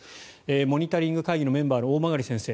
モニタリング会議のメンバーの大曲先生